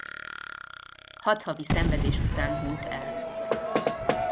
Hat havi szenvedés után hunyt el.